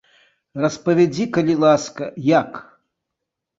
Распавядзі, калі ласка, як?